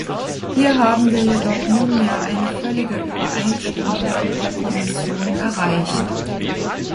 Hier haben wir jedoch nunmehr eine völlige Übereinstimmung mit der Kommission erreicht.